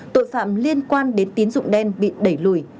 tội phạm liên quan đến tín dụng đen bị đẩy lùi